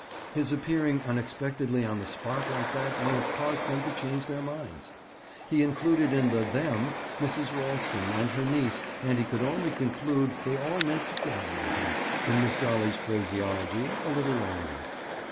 His appearing unexpectedly on the spot like that may have caused them to change their minds. He included in the "them" Mrs. Ralston and her niece and he could only conclude they all meant to "dally" with him, in Miss Dolly's phraseology, a little longer.